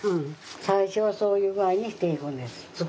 最初はそういう具合にしていくんです。